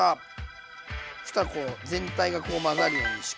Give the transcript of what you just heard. そしたらこう全体がこう混ざるようにしっかり。